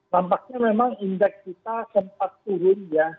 nampaknya memang indeks kita sempat turun ya